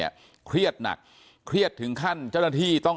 เพราะไม่เคยถามลูกสาวนะว่าไปทำธุรกิจแบบไหนอะไรยังไง